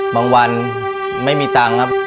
บางวันไม่มีตังค์ครับ